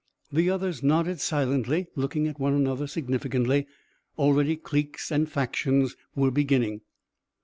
The others nodded silently, looking at one another significantly. Already cliques and factions were beginning.